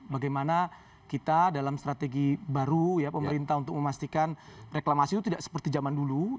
bagaimana kita dalam strategi baru ya pemerintah untuk memastikan reklamasi itu tidak seperti zaman dulu